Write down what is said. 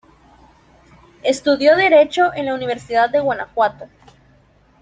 Estudió Derecho en la Universidad de Guanajuato.